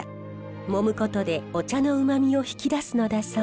もむことでお茶のうまみを引き出すのだそう。